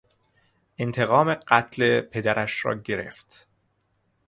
انتقام قتل پدرش را گرفت.